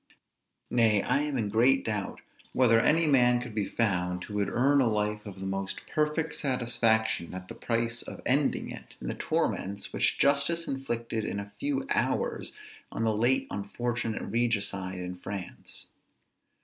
Nay, I am in great doubt whether any man could be found, who would earn a life of the most perfect satisfaction at the price of ending it in the torments, which justice inflicted in a few hours on the late unfortunate regicide in France.